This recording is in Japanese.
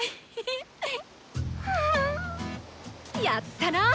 やったな！